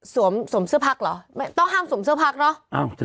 สวมสวมเสื้อพักหรอแต่ต้องห้ามสวมเสื้อพักเหรออะส่วนใหญ่